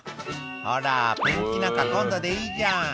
「ほらペンキなんか今度でいいじゃん」